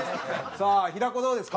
さあ平子どうですか？